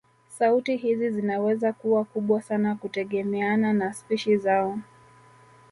Sauti hizi zinaweza kuwa kubwa sana kutegemeana na spishi zao